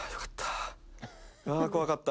怖かった。